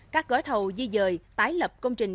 các gói thầu di dời tái lập công trình